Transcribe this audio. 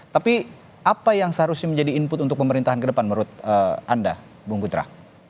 tapi apa yang seharusnya menjadi input untuk pemerintahan ke depan menurut anda bung putra